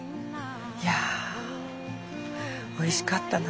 いやおいしかったな。